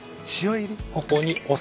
ここにお酒です。